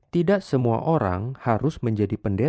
tidak semua orang harus menjadi penderita